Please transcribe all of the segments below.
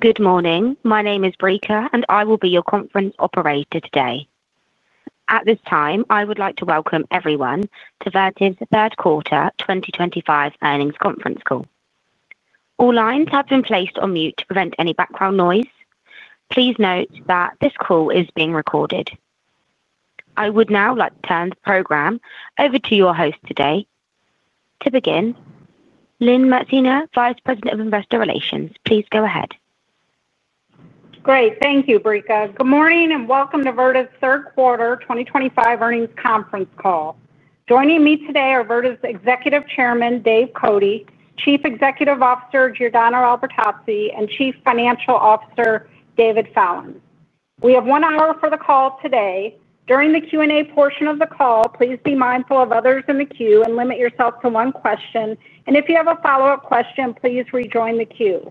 Good morning. My name is Rika, and I will be your conference operator today. At this time, I would like to welcome everyone to Vertiv's third quarter 2025 earnings conference call. All lines have been placed on mute to prevent any background noise. Please note that this call is being recorded. I would now like to turn the program over to your host today. To begin, Lynne Maxeiner, Vice President of Investor Relations, please go ahead. Great, thank you, Rika. Good morning and welcome to Vertiv's third quarter 2025 earnings conference call. Joining me today are Vertiv's Executive Chairman, Dave Cote, Chief Executive Officer, Giordano Albertazzi, and Chief Financial Officer, David Fallon. We have one hour for the call today. During the Q&A portion of the call, please be mindful of others in the queue and limit yourself to one question. If you have a follow-up question, please rejoin the queue.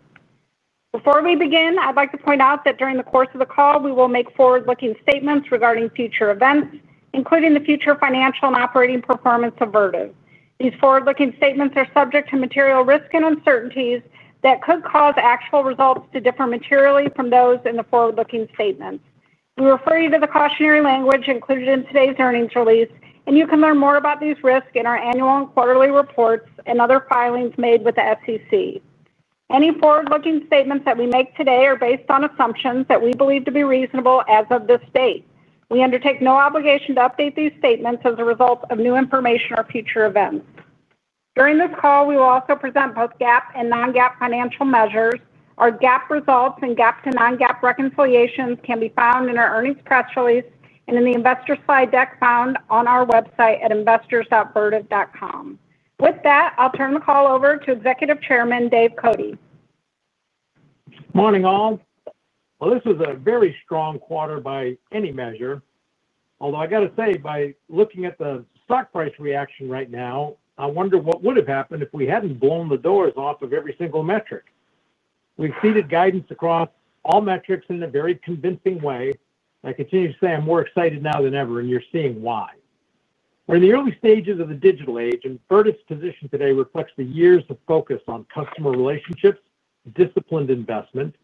Before we begin, I'd like to point out that during the course of the call, we will make forward-looking statements regarding future events, including the future financial and operating performance of Vertiv. These forward-looking statements are subject to material risk and uncertainties that could cause actual results to differ materially from those in the forward-looking statements. We refer you to the cautionary language included in today's earnings release, and you can learn more about these risks in our annual and quarterly reports and other filings made with the SEC. Any forward-looking statements that we make today are based on assumptions that we believe to be reasonable as of this date. We undertake no obligation to update these statements as a result of new information or future events. During this call, we will also present both GAAP and non-GAAP financial measures. Our GAAP results and GAAP to non-GAAP reconciliations can be found in our earnings press release and in the investor slide deck found on our website at investors.vertiv.com. With that, I'll turn the call over to Executive Chairman, Dave Cote. Morning all. This was a very strong quarter by any measure. Although I got to say, by looking at the stock price reaction right now, I wonder what would have happened if we hadn't blown the doors off of every single metric. We've exceeded guidance across all metrics in a very convincing way. I continue to say I'm more excited now than ever, and you're seeing why. We're in the early stages of the digital age, and Vertiv's position today reflects the years of focus on customer relationships, disciplined investment,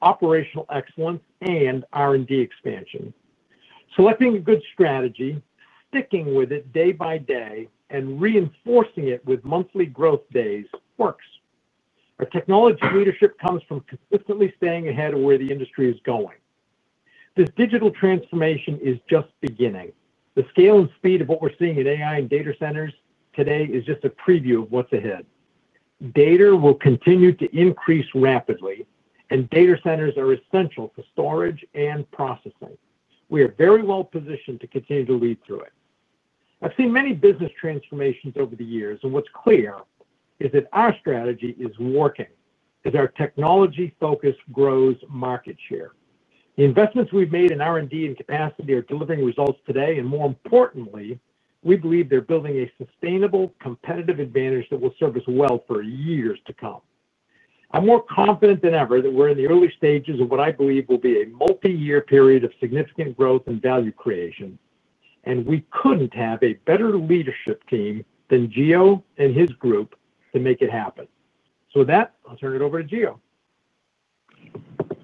operational excellence, and R&D expansion. Selecting a good strategy, sticking with it day by day, and reinforcing it with monthly growth days works. Our technology leadership comes from consistently staying ahead of where the industry is going. This digital transformation is just beginning. The scale and speed of what we're seeing in AI and data centers today is just a preview of what's ahead. Data will continue to increase rapidly, and data centers are essential for storage and processing. We are very well positioned to continue to lead through it. I've seen many business transformations over the years, and what's clear is that our strategy is working as our technology focus grows market share. The investments we've made in R&D and capacity are delivering results today, and more importantly, we believe they're building a sustainable competitive advantage that will serve us well for years to come. I'm more confident than ever that we're in the early stages of what I believe will be a multi-year period of significant growth and value creation, and we couldn't have a better leadership team than Gio and his group to make it happen. With that, I'll turn it over to Gio.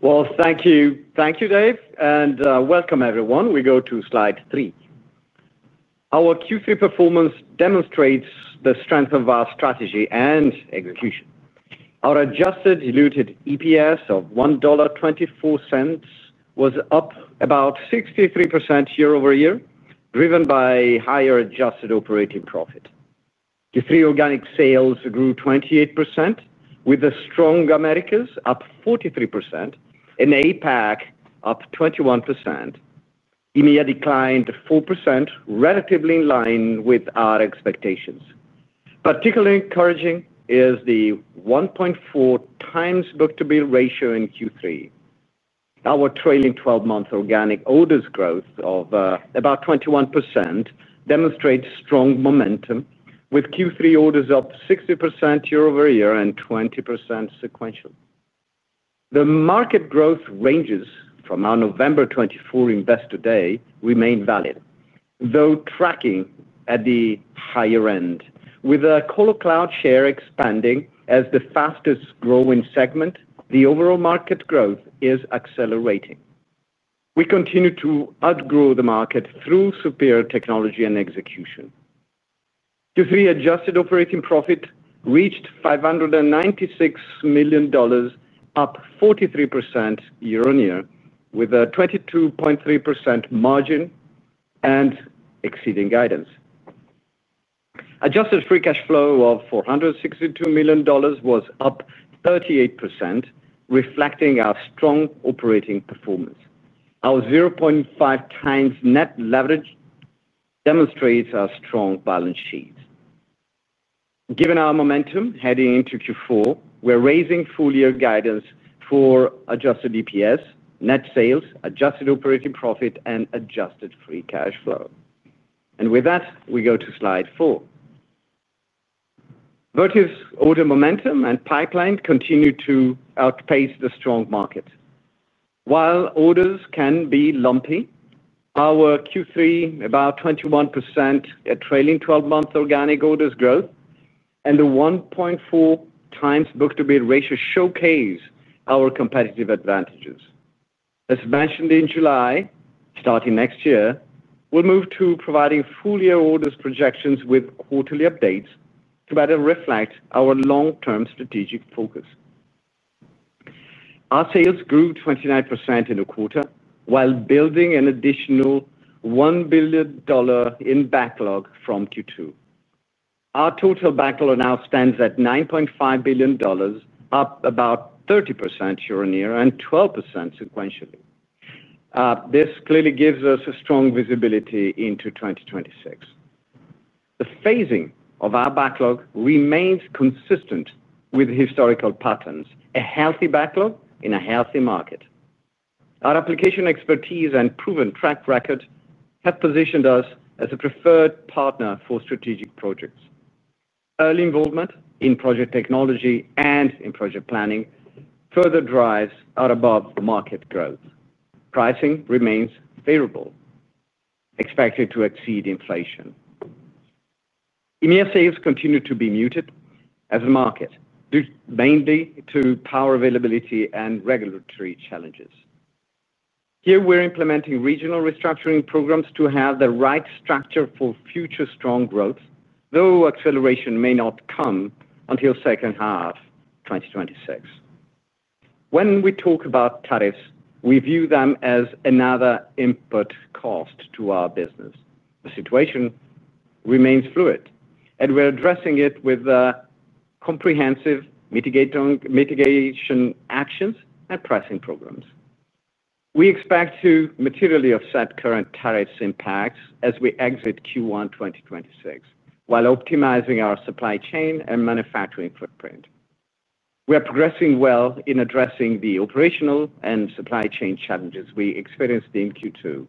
Thank you, Dave, and welcome, everyone. We go to slide three. Our Q3 performance demonstrates the strength of our strategy and execution. Our adjusted diluted EPS of $1.24 was up about 63% year-over-year, driven by higher adjusted operating profit. Q3 organic sales grew 28%, with a strong Americas up 43% and APAC up 21%. EMEA declined 4%, relatively in line with our expectations. Particularly encouraging is the 1.4x book-to-build ratio in Q3. Our trailing 12-month organic orders growth of about 21% demonstrates strong momentum, with Q3 orders up 60% year-over-year and 20% sequentially. The market growth ranges from our November 2024 Investor Day remain valid, though tracking at the higher end. With our colo cloud share expanding as the fastest growing segment, the overall market growth is accelerating. We continue to outgrow the market through superior technology and execution. Q3 adjusted operating profit reached $596 million, up 43% year-on-year, with a 22.3% margin and exceeding guidance. Adjusted free cash flow of $462 million was up 38%, reflecting our strong operating performance. Our 0.5x net leverage demonstrates our strong balance sheets. Given our momentum heading into Q4, we're raising full-year guidance for adjusted EPS, net sales, adjusted operating profit, and adjusted free cash flow. We go to slide four. Vertiv's order momentum and pipeline continue to outpace the strong market. While orders can be lumpy, our Q3 about 21% at trailing 12-month organic orders growth and the 1.4x book-to-build ratio showcase our competitive advantages. As mentioned in July, starting next year, we'll move to providing full-year orders projections with quarterly updates to better reflect our long-term strategic focus. Our sales grew 29% in a quarter, while building an additional $1 billion in backlog from Q2. Our total backlog now stands at $9.5 billion, up about 30% year-on-year and 12% sequentially. This clearly gives us a strong visibility into 2026. The phasing of our backlog remains consistent with historical patterns, a healthy backlog in a healthy market. Our application expertise and proven track record have positioned us as a preferred partner for strategic projects. Early involvement in project technology and in project planning further drives our above-market growth. Pricing remains favorable, expected to exceed inflation. EMEA sales continue to be muted as a market, due mainly to power availability and regulatory challenges. Here, we're implementing regional restructuring programs to have the right structure for future strong growth, though acceleration may not come until the second half of 2026. When we talk about tariffs, we view them as another input cost to our business. The situation remains fluid, and we're addressing it with comprehensive mitigation actions and pricing programs. We expect to materially offset current tariffs' impacts as we exit Q1 2026, while optimizing our supply chain and manufacturing footprint. We are progressing well in addressing the operational and supply chain challenges we experienced in Q2.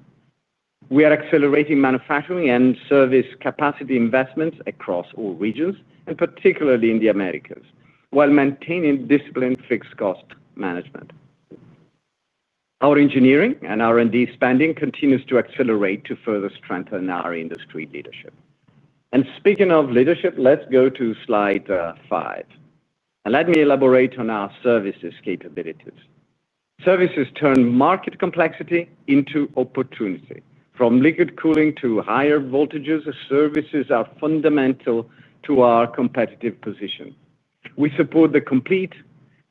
We are accelerating manufacturing and service capacity investments across all regions, particularly in the Americas, while maintaining disciplined fixed cost management. Our engineering and R&D spending continues to accelerate to further strengthen our industry leadership. Speaking of leadership, let's go to slide five, and let me elaborate on our services capabilities. Services turn market complexity into opportunity. From liquid cooling to higher voltages, services are fundamental to our competitive position. We support the complete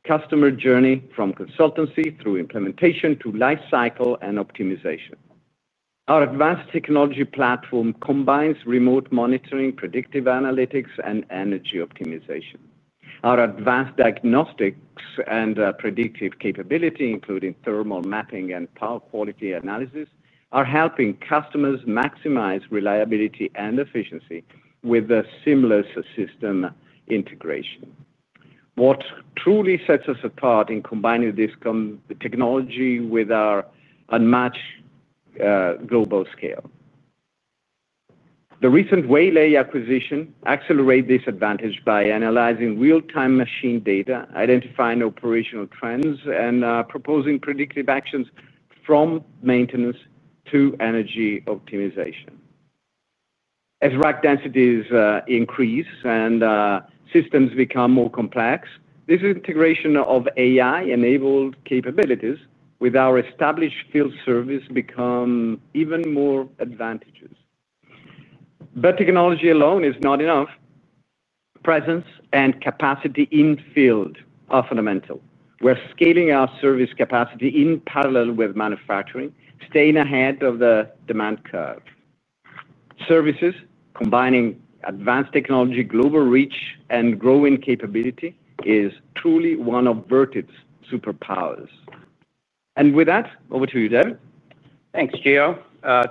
customer journey, from consultancy through implementation to lifecycle and optimization. Our advanced technology platform combines remote monitoring, predictive analytics, and energy optimization. Our advanced diagnostics and predictive capability, including thermal mapping and power quality analysis, are helping customers maximize reliability and efficiency with a seamless system integration. What truly sets us apart is combining this technology with our unmatched global scale. The recent Waylay acquisition accelerated this advantage by analyzing real-time machine data, identifying operational trends, and proposing predictive actions from maintenance to energy optimization. As rack densities increase and systems become more complex, this integration of AI-enabled capabilities with our established field service becomes even more advantageous. Technology alone is not enough. Presence and capacity in the field are fundamental. We're scaling our service capacity in parallel with manufacturing, staying ahead of the demand curve. Services, combining advanced technology, global reach, and growing capability, are truly one of Vertiv's superpowers. With that, over to you, David. Thanks, Gio.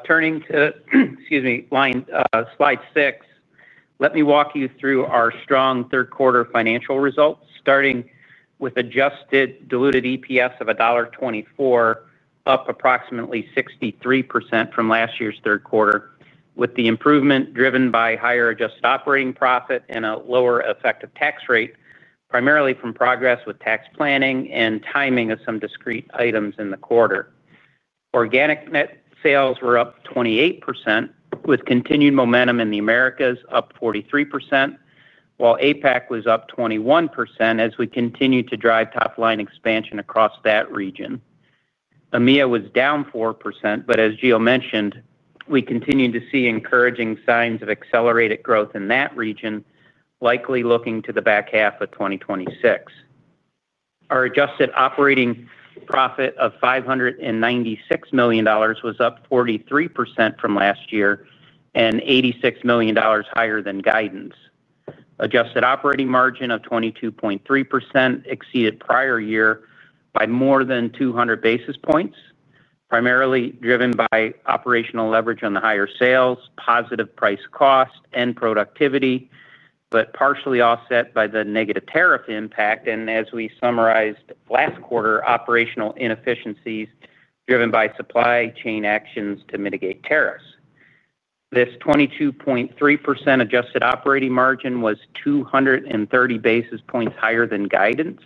Turning to, excuse me, slide six, let me walk you through our strong third quarter financial results, starting with adjusted diluted EPS of $1.24, up approximately 63% from last year's third quarter, with the improvement driven by higher adjusted operating profit and a lower effective tax rate, primarily from progress with tax planning and timing of some discrete items in the quarter. Organic net sales were up 28%, with continued momentum in the Americas up 43%, while APAC was up 21% as we continued to drive top-line expansion across that region. EMEA was down 4%, as Gio mentioned, we continue to see encouraging signs of accelerated growth in that region, likely looking to the back half of 2026. Our adjusted operating profit of $596 million was up 43% from last year and $86 million higher than guidance. Adjusted operating margin of 22.3% exceeded prior year by more than 200 basis points, primarily driven by operational leverage on the higher sales, positive price cost, and productivity, but partially offset by the negative tariff impact. As we summarized last quarter, operational inefficiencies were driven by supply chain actions to mitigate tariffs. This 22.3% adjusted operating margin was 230 basis points higher than guidance,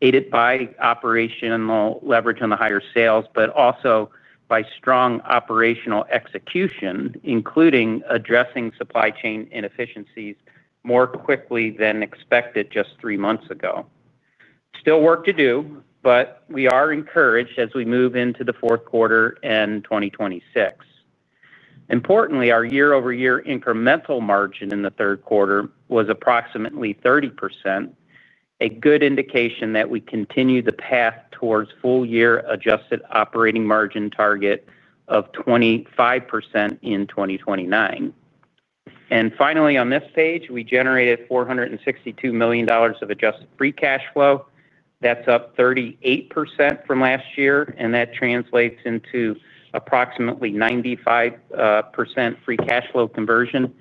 aided by operational leverage on the higher sales, but also by strong operational execution, including addressing supply chain inefficiencies more quickly than expected just three months ago. There is still work to do, but we are encouraged as we move into the fourth quarter and 2026. Importantly, our year-over-year incremental margin in the third quarter was approximately 30%, a good indication that we continue the path towards full-year adjusted operating margin target of 25% in 2029. Finally, on this page, we generated $462 million of adjusted free cash flow. That's up 38% from last year, and that translates into approximately 95% free cash flow conversion,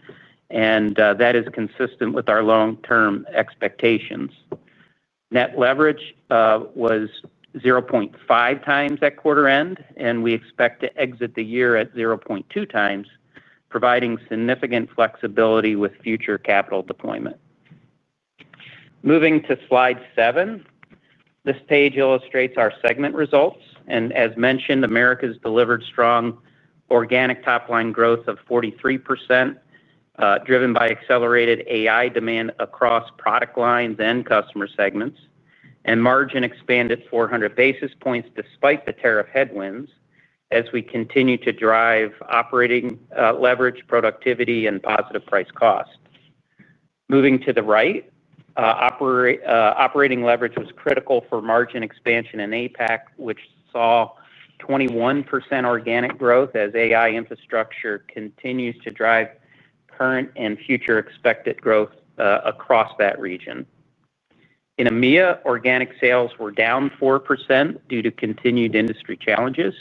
and that is consistent with our long-term expectations. Net leverage was 0.5x at quarter end, and we expect to exit the year at 0.2x, providing significant flexibility with future capital deployment. Moving to slide seven, this page illustrates our segment results. As mentioned, the Americas delivered strong organic top-line growth of 43%, driven by accelerated AI demand across product lines and customer segments, and margin expanded 400 basis points despite the tariff headwinds as we continue to drive operating leverage, productivity, and positive price cost. Moving to the right, operating leverage was critical for margin expansion in APAC, which saw 21% organic growth as AI infrastructure continues to drive current and future expected growth across that region. In EMEA, organic sales were down 4% due to continued industry challenges.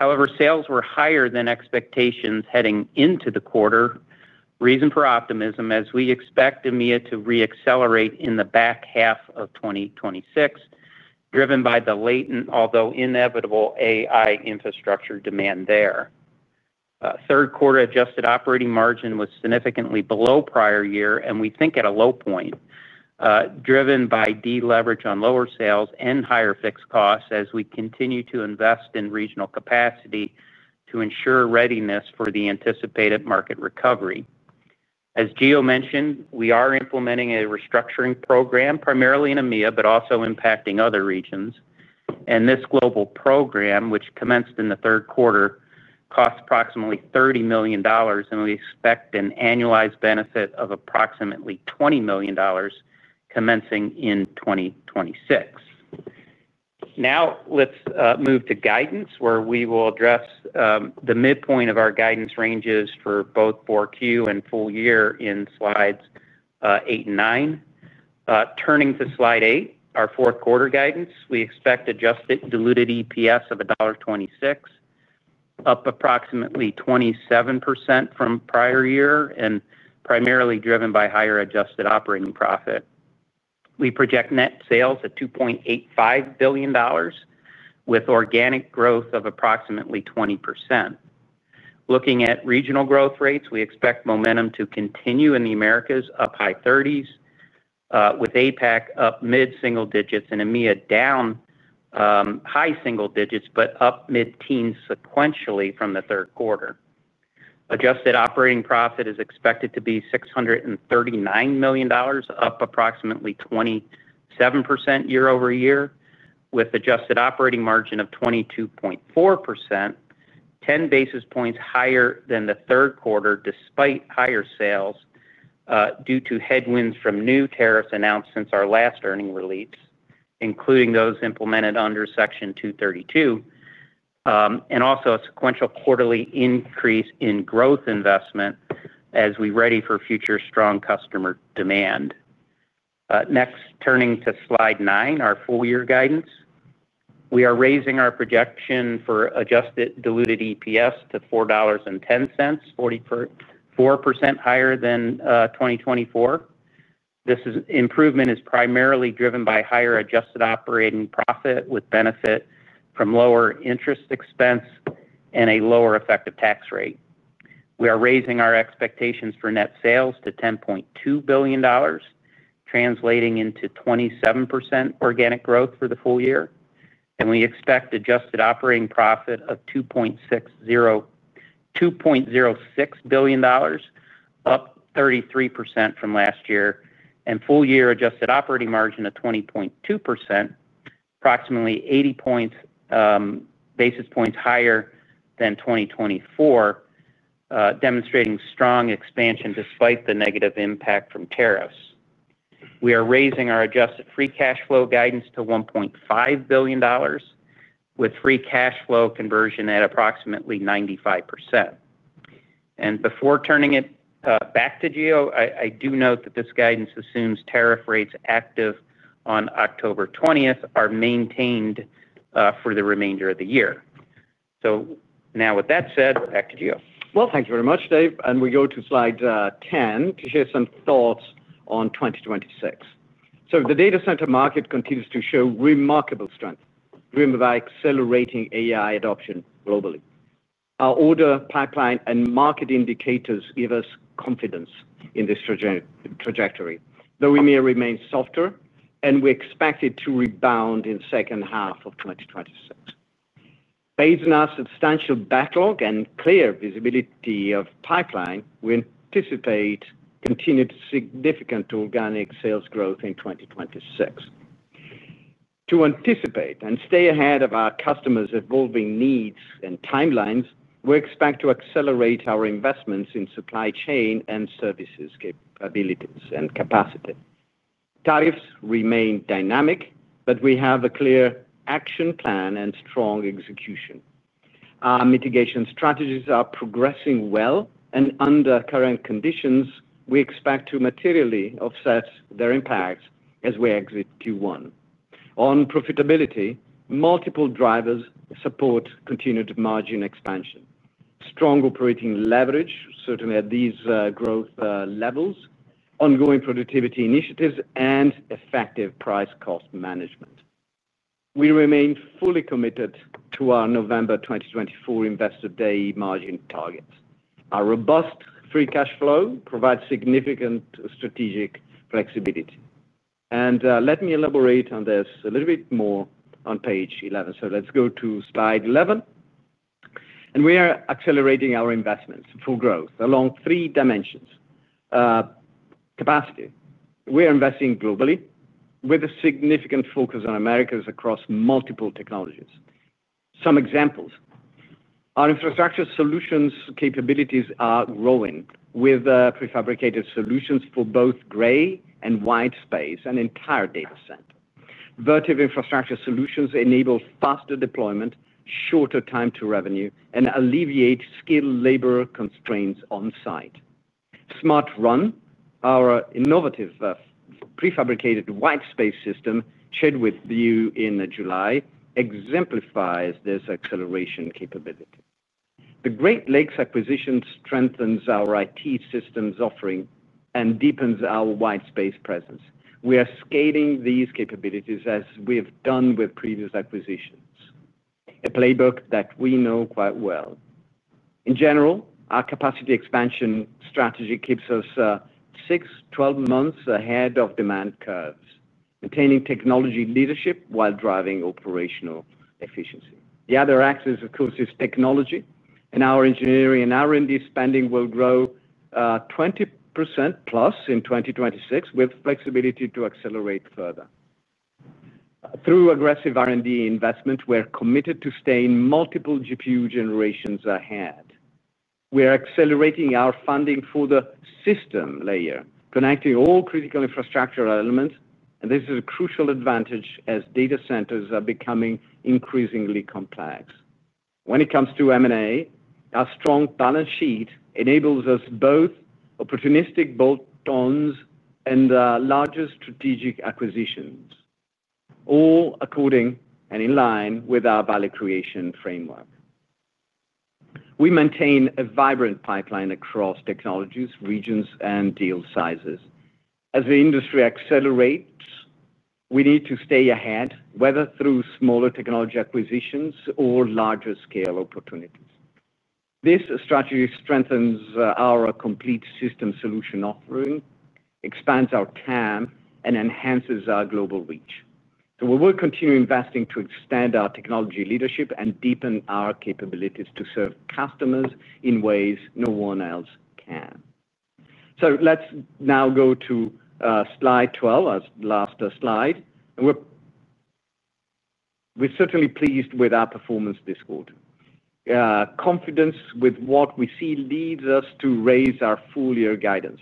However, sales were higher than expectations heading into the quarter, reason for optimism as we expect EMEA to reaccelerate in the back half of 2026, driven by the latent, although inevitable, AI infrastructure demand there. Third quarter adjusted operating margin was significantly below prior year, and we think at a low point, driven by deleverage on lower sales and higher fixed costs as we continue to invest in regional capacity to ensure readiness for the anticipated market recovery. As Gio mentioned, we are implementing a restructuring program primarily in EMEA, but also impacting other regions. This global program, which commenced in the third quarter, costs approximately $30 million, and we expect an annualized benefit of approximately $20 million commencing in 2026. Now let's move to guidance, where we will address the midpoint of our guidance ranges for both fourth quarter and full year in slides eight and nine. Turning to slide eight, our fourth quarter guidance, we expect adjusted diluted EPS of $1.26, up approximately 27% from prior year, and primarily driven by higher adjusted operating profit. We project net sales at $2.85 billion, with organic growth of approximately 20%. Looking at regional growth rates, we expect momentum to continue in the Americas, up high 30s, with APAC up mid-single digits and EMEA down high single digits, but up mid-teens sequentially from the third quarter. Adjusted operating profit is expected to be $639 million, up approximately 27% year-over-year, with adjusted operating margin of 22.4%, 10 basis points higher than the third quarter despite higher sales due to headwinds from new tariffs announced since our last earnings release, including those implemented under Section 232, and also a sequential quarterly increase in growth investment as we ready for future strong customer demand. Next, turning to slide nine, our full-year guidance, we are raising our projection for adjusted diluted EPS to $4.10, 44% higher than 2024. This improvement is primarily driven by higher adjusted operating profit, with benefit from lower interest expense and a lower effective tax rate. We are raising our expectations for net sales to $10.2 billion, translating into 27% organic growth for the full year. We expect adjusted operating profit of $2.06 billion, up 33% from last year, and full-year adjusted operating margin of 20.2%, approximately 80 basis points higher than 2024, demonstrating strong expansion despite the negative impact from tariffs. We are raising our adjusted free cash flow guidance to $1.5 billion, with free cash flow conversion at approximately 95%. Before turning it back to Gio, I do note that this guidance assumes tariff rates active on October 20th are maintained for the remainder of the year. Now with that said, back to Gio. Thank you very much, Dave. We go to slide 10 to hear some thoughts on 2026. The data center market continues to show remarkable strength, driven by accelerating AI adoption globally. Our order pipeline and market indicators give us confidence in this trajectory, though we may remain softer, and we expect it to rebound in the second half of 2026. Based on our substantial backlog and clear visibility of the pipeline, we anticipate continued significant organic sales growth in 2026. To anticipate and stay ahead of our customers' evolving needs and timelines, we expect to accelerate our investments in supply chain and services capabilities and capacity. Tariffs remain dynamic, but we have a clear action plan and strong execution. Our mitigation strategies are progressing well, and under current conditions, we expect to materially offset their impacts as we exit Q1. On profitability, multiple drivers support continued margin expansion, strong operating leverage, certainly at these growth levels, ongoing productivity initiatives, and effective price cost management. We remain fully committed to our November 2024 investor day margin targets. Our robust free cash flow provides significant strategic flexibility. Let me elaborate on this a little bit more on page 11. Let's go to slide 11. We are accelerating our investments for growth along three dimensions: capacity. We are investing globally with a significant focus on Americas across multiple technologies. Some examples: our infrastructure solutions capabilities are growing with prefabricated solutions for both gray and white space and entire data center. Vertiv infrastructure solutions enable faster deployment, shorter time to revenue, and alleviate skilled labor constraints on site. SmartRun, our innovative prefabricated white space system shared with you in July, exemplifies this acceleration capability. The Great Lakes acquisition strengthens our IT systems offering and deepens our white space presence. We are scaling these capabilities as we have done with previous acquisitions, a playbook that we know quite well. In general, our capacity expansion strategy keeps us six to 12 months ahead of demand curves, maintaining technology leadership while driving operational efficiency. The other axis, of course, is technology, and our engineering and R&D spending will grow 20%+ in 2026 with flexibility to accelerate further. Through aggressive R&D investment, we're committed to staying multiple GPU generations ahead. We are accelerating our funding for the system layer, connecting all critical infrastructure elements, and this is a crucial advantage as data centers are becoming increasingly complex. When it comes to M&A, our strong balance sheet enables us both opportunistic bolt-ons and larger strategic acquisitions, all according and in line with our value creation framework. We maintain a vibrant pipeline across technologies, regions, and deal sizes. As the industry accelerates, we need to stay ahead, whether through smaller technology acquisitions or larger scale opportunities. This strategy strengthens our complete system solution offering, expands our TAM, and enhances our global reach. We will continue investing to extend our technology leadership and deepen our capabilities to serve customers in ways no one else can. Let's now go to slide 12, our last slide. We're certainly pleased with our performance this quarter. Confidence with what we see leads us to raise our full-year guidance.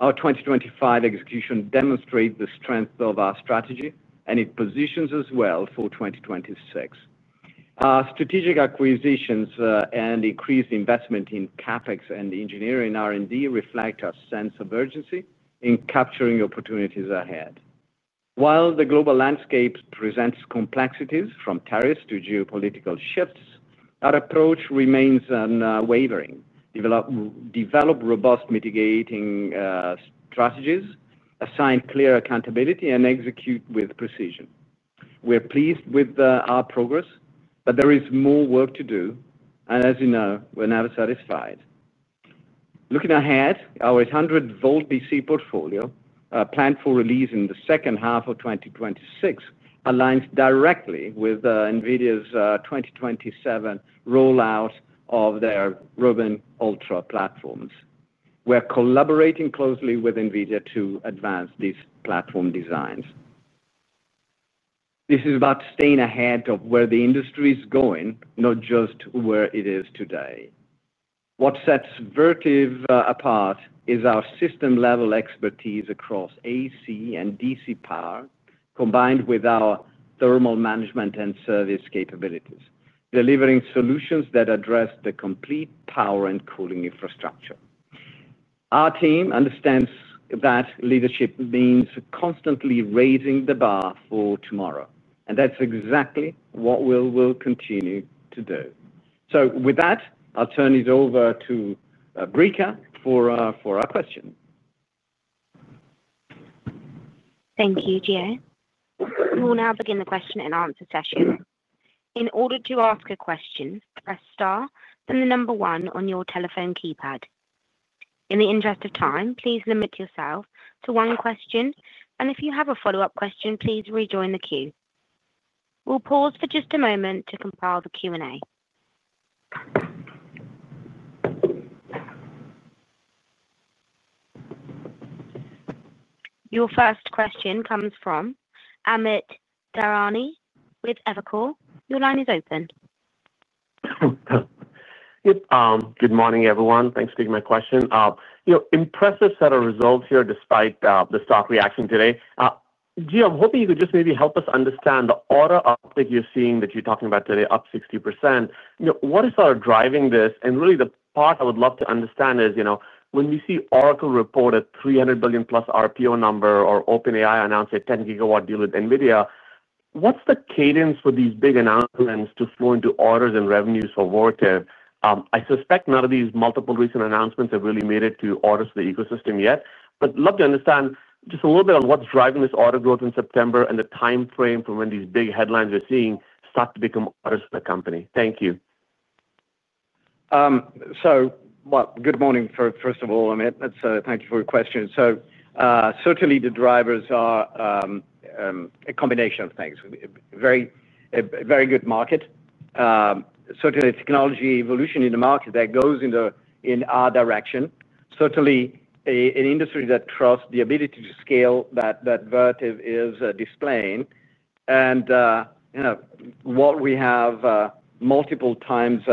Our 2025 execution demonstrates the strength of our strategy, and it positions us well for 2026. Our strategic acquisitions and increased investment in CapEx and engineering R&D reflect our sense of urgency in capturing opportunities ahead. While the global landscape presents complexities, from tariffs to geopolitical shifts, our approach remains unwavering. Develop robust mitigating strategies, assign clear accountability, and execute with precision. We're pleased with our progress, but there is more work to do. As you know, we're never satisfied. Looking ahead, our 800 V DC portfolio, planned for release in the second half of 2026, aligns directly with NVIDIA's 2027 rollout of their Rubin Ultra platforms. We're collaborating closely with NVIDIA to advance these platform designs. This is about staying ahead of where the industry is going, not just where it is today. What sets Vertiv apart is our system-level expertise across AC and DC power, combined with our thermal management and service capabilities, delivering solutions that address the complete power and cooling infrastructure. Our team understands that leadership means constantly raising the bar for tomorrow, and that's exactly what we will continue to do. With that, I'll turn it over to Rika for our question. Thank you, Gio. We'll now begin the question and answer session. In order to ask a question, press star and the number one on your telephone keypad. In the interest of time, please limit yourself to one question, and if you have a follow-up question, please rejoin the queue. We'll pause for just a moment to compile the Q&A. Your first question comes from Amit Dharani with Evercore. Your line is open. Good morning, everyone. Thanks for taking my question. Impressive set of results here despite the stock reaction today. Gio, I'm hoping you could maybe help us understand the order uptake you're seeing that you're talking about today, up 60%. What is driving this? The part I would love to understand is, when we see Oracle report a $300 billion+ RPO number or OpenAI announce a 10-gigawatt deal with NVIDIA, what's the cadence for these big announcements to flow into orders and revenues for Vertiv? I suspect none of these multiple recent announcements have really made it to orders for the ecosystem yet. I'd love to understand just a little bit on what's driving this order growth in September and the timeframe for when these big headlines we're seeing start to become orders for the company. Thank you. Good morning, first of all, Amit. Thank you for your question. Certainly, the drivers are a combination of things. A very good market. Certainly, technology evolution in the market that goes in our direction. Certainly, an industry that trusts the ability to scale that Vertiv is displaying. You know what we have multiple times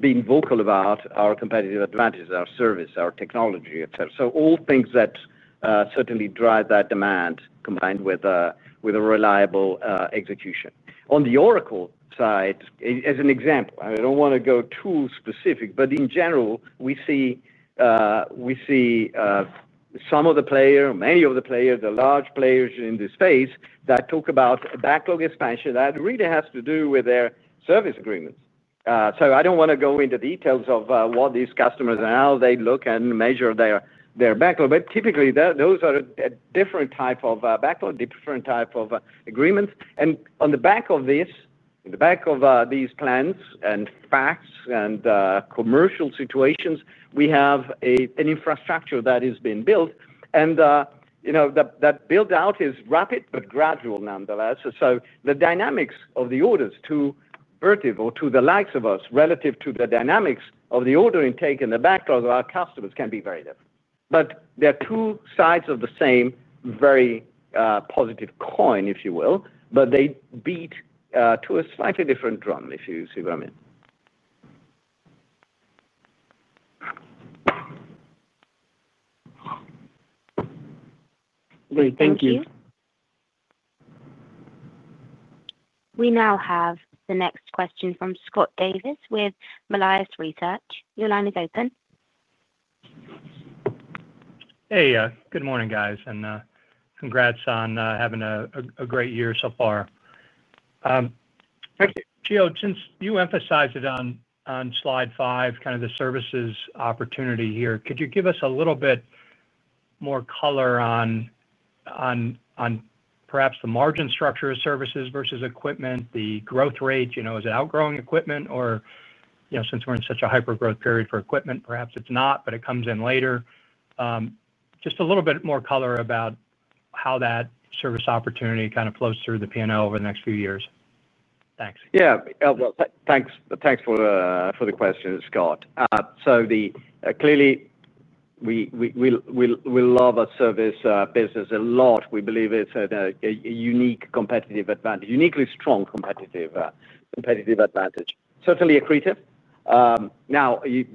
been vocal about are our competitive advantages, our service, our technology, et cetera. All things that certainly drive that demand combined with a reliable execution. On the Oracle side, as an example, I don't want to go too specific, but in general, we see some of the players, many of the players, the large players in this space that talk about backlog expansion that really has to do with their service agreements. I don't want to go into details of what these customers and how they look and measure their backlog. Typically, those are a different type of backlog, a different type of agreements. On the back of this, in the back of these plans and facts and commercial situations, we have an infrastructure that has been built. You know that build-out is rapid but gradual, nonetheless. The dynamics of the orders to Vertiv or to the likes of us, relative to the dynamics of the order intake and the backlog of our customers, can be very different. They're two sides of the same very positive coin, if you will. They beat to a slightly different drum, if you see what I mean. Great. Thank you. We now have the next question from Scott Davis with Melius Research. Your line is open. Hey, good morning, guys, and congrats on having a great year so far. Thanks. Gio, since you emphasized it on slide five, kind of the services opportunity here, could you give us a little bit more color on perhaps the margin structure of services versus equipment, the growth rate? You know, is it outgrowing equipment, or you know, since we're in such a hypergrowth period for equipment, perhaps it's not, but it comes in later? Just a little bit more color about how that service opportunity kind of flows through the P&L over the next few years. Thanks. Yeah. Thanks for the question, Scott. Clearly, we love our service business a lot. We believe it's a unique competitive advantage, uniquely strong competitive advantage. Certainly accretive. If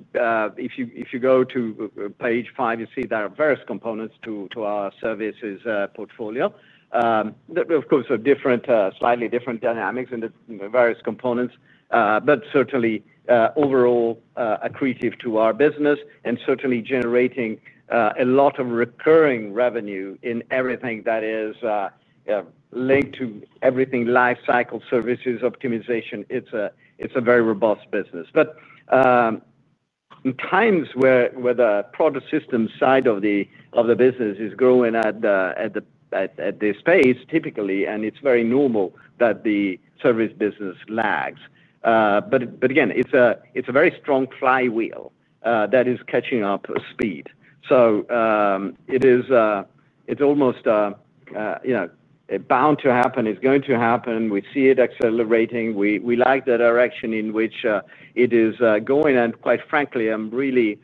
you go to page five, you see there are various components to our services portfolio. Of course, there are slightly different dynamics in the various components, but certainly overall accretive to our business and certainly generating a lot of recurring revenue in everything that is linked to everything: lifecycle, services, optimization. It's a very robust business. In times where the product system side of the business is growing at this pace typically, it's very normal that the service business lags. Again, it's a very strong flywheel that is catching up speed. It's almost bound to happen. It's going to happen. We see it accelerating. We like the direction in which it is going. Quite frankly, I'm really,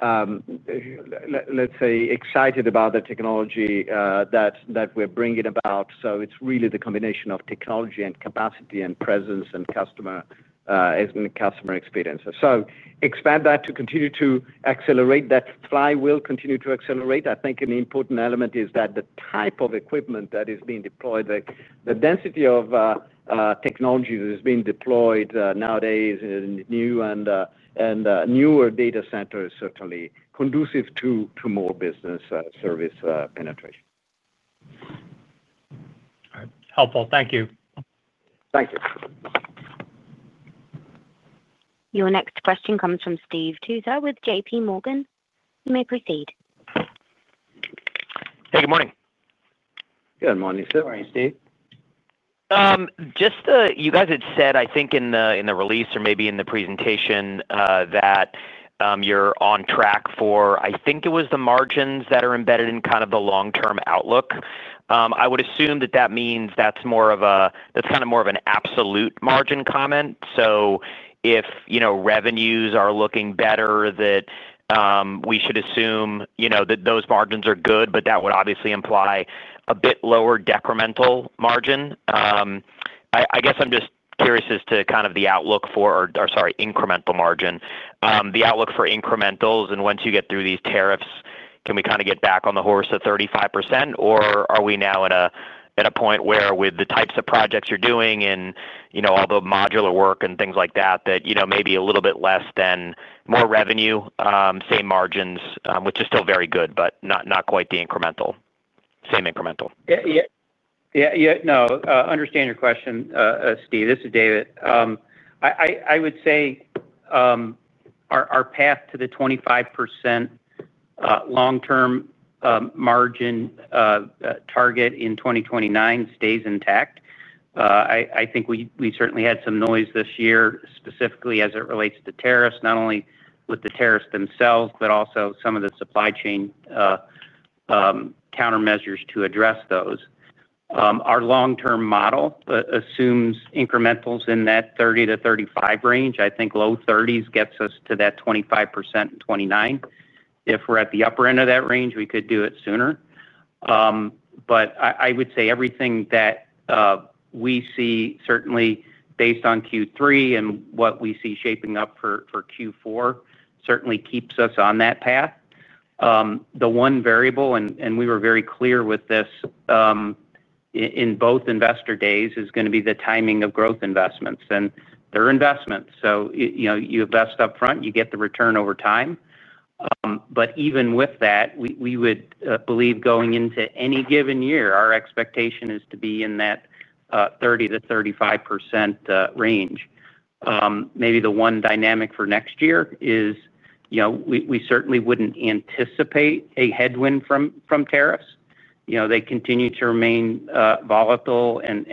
let's say, excited about the technology that we're bringing about. It's really the combination of technology and capacity and presence and customer experience. Expand that to continue to accelerate. That flywheel continues to accelerate. I think an important element is that the type of equipment that is being deployed, the density of technology that is being deployed nowadays in new and newer data centers is certainly conducive to more business service penetration. Helpful. Thank you. Thank you. Your next question comes from Steve Tusa with JPMorgan. You may proceed. Hey, good morning. Good morning, sir. Morning, Steve. You guys had said, I think in the release or maybe in the presentation, that you're on track for, I think it was the margins that are embedded in kind of the long-term outlook. I would assume that that means that's more of an, that's kind of more of an absolute margin comment. If revenues are looking better, we should assume that those margins are good, but that would obviously imply a bit lower decremental margin. I'm just curious as to the outlook for, or sorry, incremental margin, the outlook for incrementals. Once you get through these tariffs, can we kind of get back on the horse at 35%? Are we now at a point where, with the types of projects you're doing and all the modular work and things like that, that maybe a little bit less than more revenue, same margins, which is still very good, but not quite the incremental, same incremental? Yeah, yeah, yeah. No, understand your question, Steve. This is David. I would say our path to the 25% long-term margin target in 2029 stays intact. I think we certainly had some noise this year, specifically as it relates to tariffs, not only with the tariffs themselves, but also some of the supply chain countermeasures to address those. Our long-term model assumes incrementals in that 30%-35% range. I think low 30s gets us to that 25% in 2029. If we're at the upper end of that range, we could do it sooner. I would say everything that we see, certainly based on Q3 and what we see shaping up for Q4, certainly keeps us on that path. The one variable, and we were very clear with this in both investor days, is going to be the timing of growth investments and their investments. You invest upfront, you get the return over time. Even with that, we would believe going into any given year, our expectation is to be in that 30 to 35% range. Maybe the one dynamic for next year is, we certainly wouldn't anticipate a headwind from tariffs. They continue to remain volatile and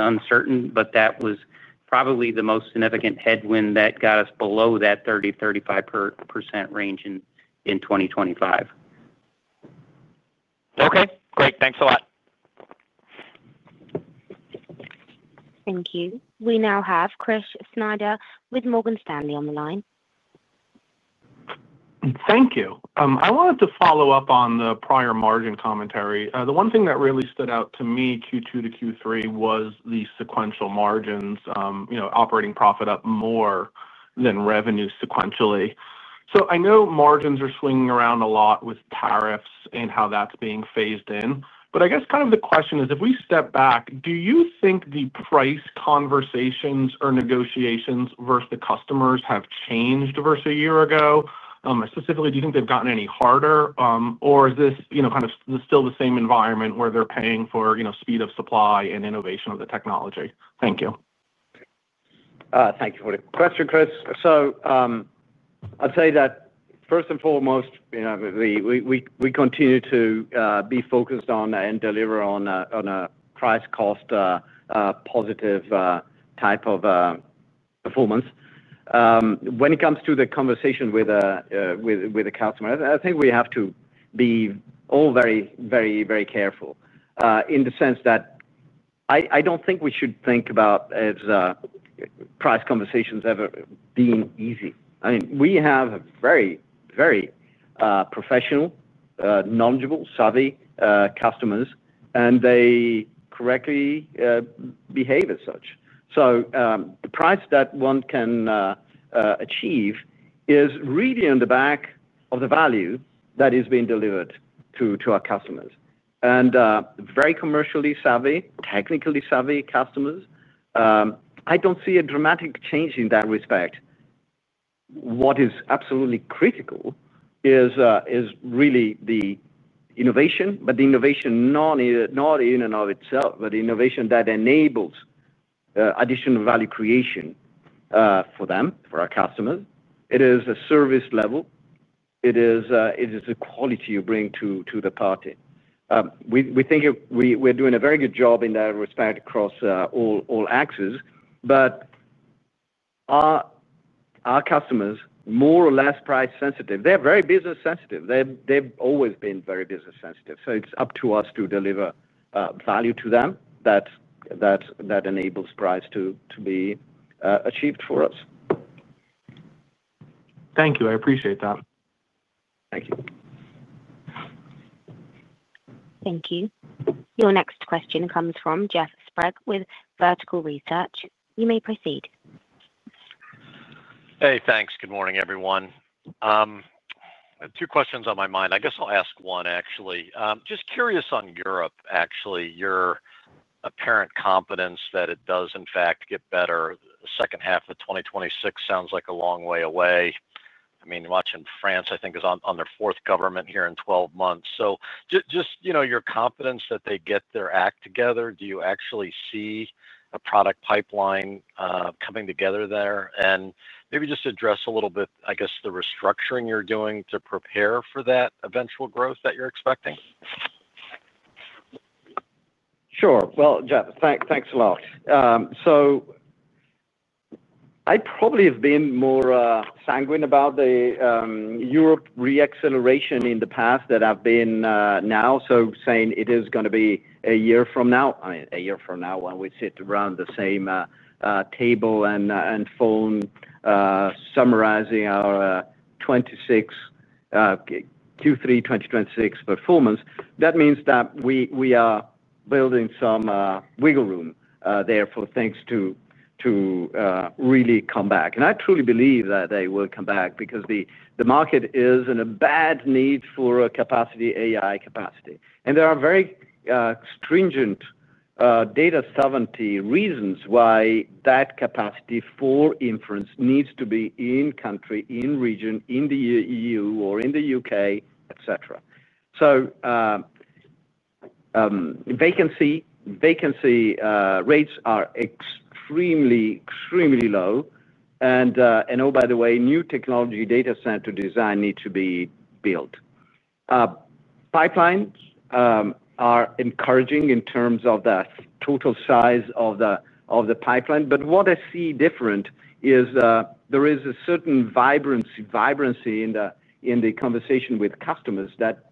uncertain, but that was probably the most significant headwind that got us below that 30%-35% range in 2025. Okay. Great. Thanks a lot. Thank you. We now have Chris Snyder with Morgan Stanley on the line. Thank you. I wanted to follow up on the prior margin commentary. The one thing that really stood out to me Q2 to Q3 was the sequential margins, you know, operating profit up more than revenue sequentially. I know margins are swinging around a lot with tariffs and how that's being phased in. I guess kind of the question is, if we step back, do you think the price conversations or negotiations versus the customers have changed versus a year ago? Specifically, do you think they've gotten any harder, or is this, you know, kind of still the same environment where they're paying for, you know, speed of supply and innovation of the technology? Thank you. Thank you for the question, Chris. I'd say that first and foremost, we continue to be focused on and deliver on a price-cost positive type of performance. When it comes to the conversation with the customer, I think we have to be all very, very, very careful in the sense that I don't think we should think about price conversations ever being easy. We have very, very professional, knowledgeable, savvy customers, and they correctly behave as such. The price that one can achieve is really on the back of the value that is being delivered to our customers. Very commercially savvy, technically savvy customers, I don't see a dramatic change in that respect. What is absolutely critical is really the innovation, but the innovation not in and of itself, the innovation that enables additional value creation for them, for our customers. It is a service level. It is the quality you bring to the party. We think we're doing a very good job in that respect across all axes. Our customers, more or less price-sensitive, they're very business-sensitive. They've always been very business-sensitive. It's up to us to deliver value to them that enables price to be achieved for us. Thank you. I appreciate that. Thank you. Thank you. Your next question comes from Jeff Sprague with Vertical Research. You may proceed. Hey, thanks. Good morning, everyone. I have two questions on my mind. I guess I'll ask one, actually. Just curious on Europe, actually, your apparent confidence that it does, in fact, get better. The second half of 2026 sounds like a long way away. I mean, watching France, I think, is on their fourth government here in 12 months. Just, you know, your confidence that they get their act together, do you actually see a product pipeline coming together there? Maybe just address a little bit, I guess, the restructuring you're doing to prepare for that eventual growth that you're expecting? Sure. Jeff, thanks a lot. I probably have been more sanguine about the Europe reacceleration in the past than I've been now. Saying it is going to be a year from now, a year from now when we sit around the same table and phone summarizing our Q3 2026 performance, that means that we are building some wiggle room there for things to really come back. I truly believe that they will come back because the market is in a bad need for AI capacity. There are very stringent data sovereignty reasons why that capacity for inference needs to be in country, in region, in the EU, or in the U.K., etc. Vacancy rates are extremely, extremely low. Oh, by the way, new technology data center design needs to be built. Pipelines are encouraging in terms of the total size of the pipeline. What I see different is there is a certain vibrancy in the conversation with customers that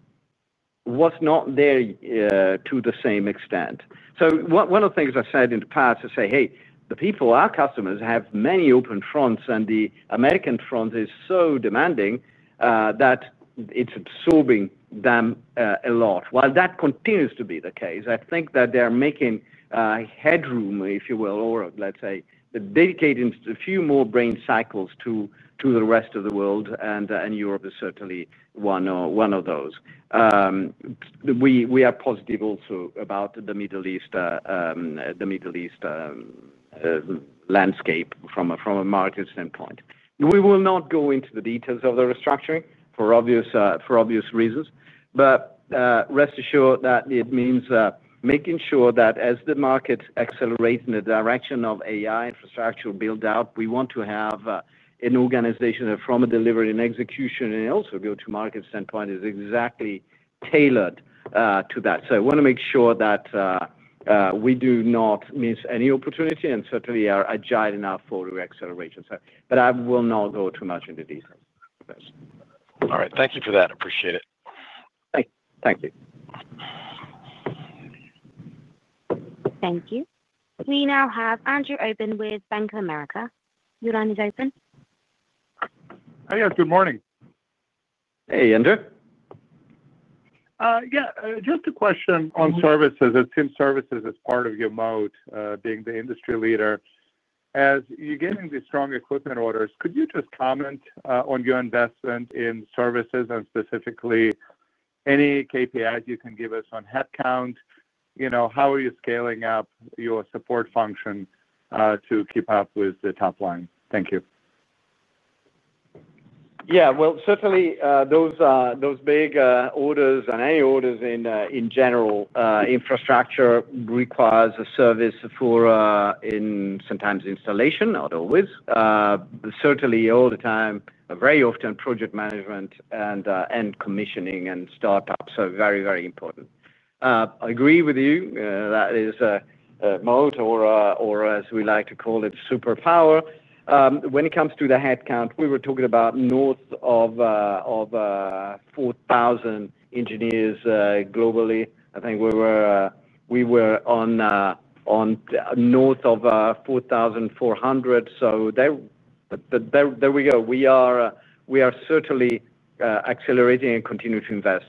was not there to the same extent. One of the things I said in the past, I say, "Hey, the people, our customers have many open fronts, and the American front is so demanding that it's absorbing them a lot." While that continues to be the case, I think that they're making headroom, if you will, or let's say they're dedicating a few more brain cycles to the rest of the world, and Europe is certainly one of those. We are positive also about the Middle East landscape from a market standpoint. We will not go into the details of the restructuring for obvious reasons. Rest assured that it means making sure that as the markets accelerate in the direction of AI infrastructure build-out, we want to have an organization from a delivery and execution and also go-to-market standpoint that is exactly tailored to that. I want to make sure that we do not miss any opportunity and certainly are agile enough for the acceleration. I will not go too much into details. All right. Thank you for that. Appreciate it. Thank you. Thank you. We now have Andrew Obin with Bank of America. Your line is open. Hey, good morning. Hey, Andrew. Yeah, just a question on services, assumed services as part of your mode, being the industry leader. As you're getting these strong equipment orders, could you just comment on your investment in services and specifically any KPIs you can give us on headcount? You know, how are you scaling up your support function to keep up with the top line? Thank you. Yeah, certainly, those big orders and any orders in general infrastructure require a service for sometimes installation, not always. Certainly, very often project management and commissioning and startups are very, very important. I agree with you. That is a mode or, as we like to call it, superpower. When it comes to the headcount, we were talking about north of 4,000 engineers globally. I think we were on north of 4,400. There we go. We are certainly accelerating and continue to invest.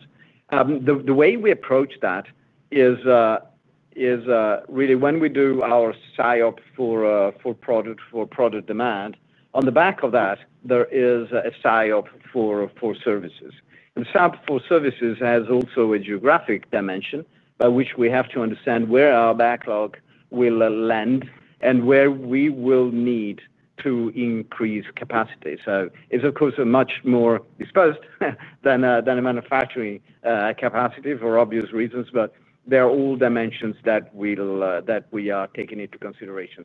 The way we approach that is really when we do our SIOP for product demand. On the back of that, there is a SIOP for services. SIOP for services has also a geographic dimension by which we have to understand where our backlog will land and where we will need to increase capacity. It is, of course, much more dispersed than a manufacturing capacity for obvious reasons, but there are all dimensions that we are taking into consideration.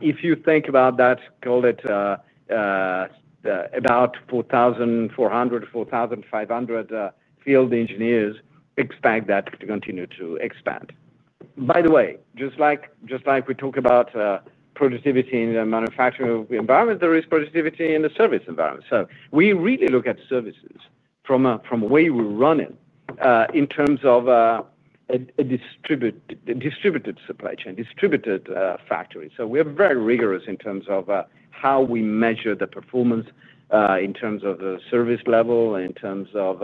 If you think about that, call it about 4,400, 4,500 field engineers, expect that to continue to expand. By the way, just like we talk about productivity in the manufacturing environment, there is productivity in the service environment. We really look at services from a way we run it in terms of a distributed supply chain, distributed factory. We are very rigorous in terms of how we measure the performance in terms of the service level, in terms of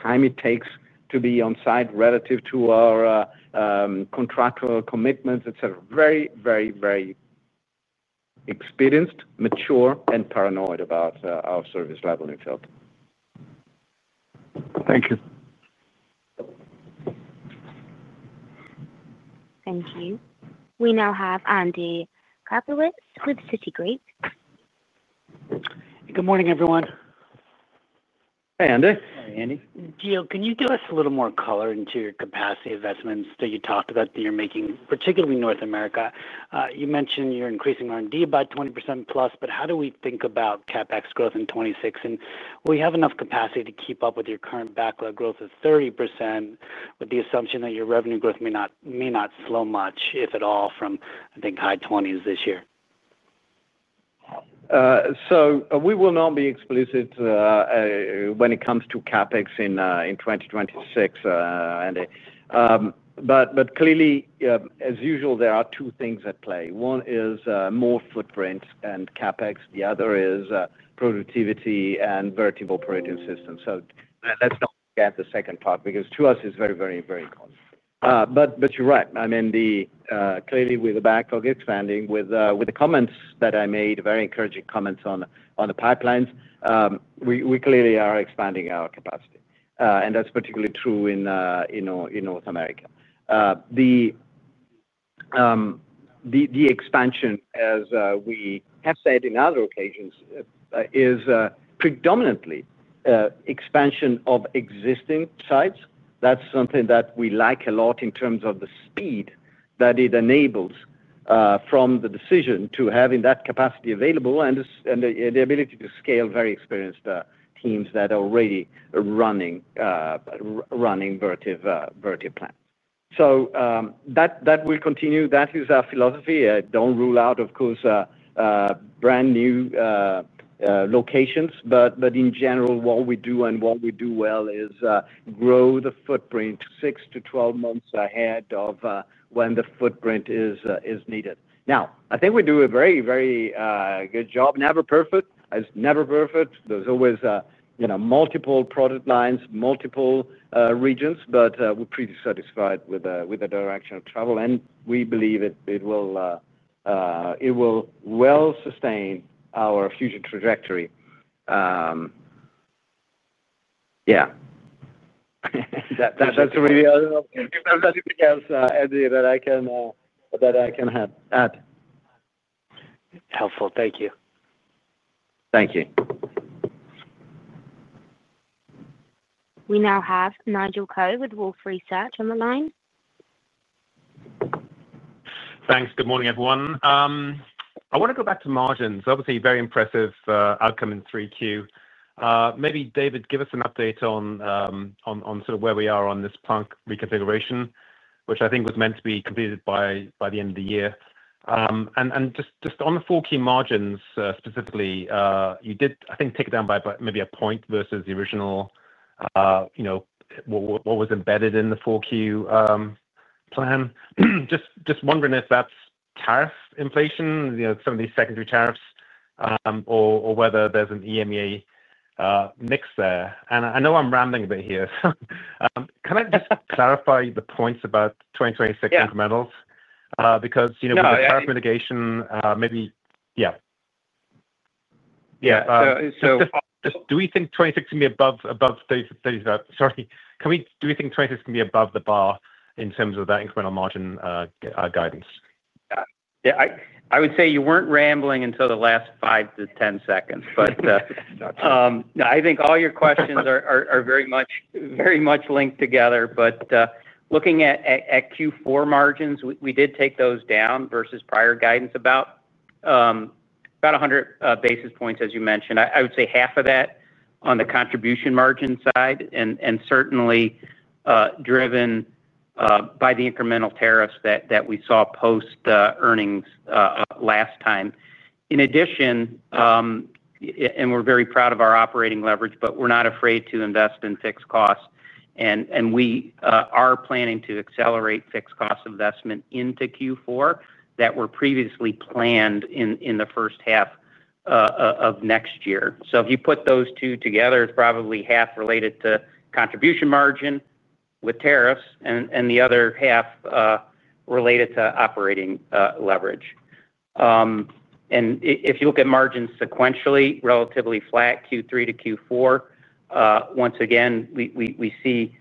time it takes to be on site relative to our contractual commitments, etc. Very, very, very experienced, mature, and paranoid about our service level in the field. Thank you. Thank you. We now have Andy Kaplowitz with Citigroup. Good morning, everyone. Hey, Andy. Hey, Andy. Gio, can you give us a little more color into your capacity investments that you talked about that you're making, particularly North America? You mentioned you're increasing R&D about 20%+, but how do we think about CapEx growth in 2026? Will we have enough capacity to keep up with your current backlog growth of 30% with the assumption that your revenue growth may not slow much, if at all, from, I think, high 20s this year? We will not be explicit when it comes to CapEx in 2026, Andy. Clearly, as usual, there are two things at play. One is more footprints and CapEx. The other is productivity and vertical operating systems. Let's not forget the second part because to us, it's very, very, very important. You're right. Clearly, with the backlog expanding, with the comments that I made, very encouraging comments on the pipelines, we clearly are expanding our capacity. That's particularly true in North America. The expansion, as we have said on other occasions, is predominantly expansion of existing sites. That's something that we like a lot in terms of the speed that it enables from the decision to having that capacity available and the ability to scale very experienced teams that are already running Vertiv plans. That will continue. That is our philosophy. I don't rule out, of course, brand new locations. In general, what we do and what we do well is grow the footprint six to 12 months ahead of when the footprint is needed. I think we do a very, very good job. Never perfect. It's never perfect. There's always, you know, multiple product lines, multiple regions, but we're pretty satisfied with the direction of travel. We believe it will well sustain our future trajectory. That's really all. If there's anything else, Andy, that I can add. Helpful. Thank you. Thank you. We now have Nigel Coe with Wolfe Research on the line. Thanks. Good morning, everyone. I want to go back to margins. Obviously, a very impressive outcome in 3Q. Maybe, David, give us an update on sort of where we are on this plant reconfiguration, which I think was meant to be completed by the end of the year. Just on the 4Q margins specifically, you did, I think, take it down by maybe a point versus the original, you know, what was embedded in the 4Q plan. Just wondering if that's tariff inflation, you know, some of these secondary tariffs, or whether there's an EMEA mix there. I know I'm rambling a bit here. Can I just clarify the points about 2026 incrementals? Because, you know, with the tariff mitigation, maybe, yeah. Yeah. So. Do we think 2026 can be above the bar in terms of that incremental margin guidance? Yeah. I would say you weren't rambling until the last five to 10 seconds. No, I think all your questions are very much, very much linked together. Looking at Q4 margins, we did take those down versus prior guidance about 100 basis points, as you mentioned. I would say half of that on the contribution margin side and certainly driven by the incremental tariffs that we saw post-earnings last time. In addition, we're very proud of our operating leverage, but we're not afraid to invest in fixed costs. We are planning to accelerate fixed cost investment into Q4 that were previously planned in the first half of next year. If you put those two together, it's probably half related to contribution margin with tariffs and the other half related to operating leverage. If you look at margins sequentially, relatively flat Q3 to Q4. Once again, we see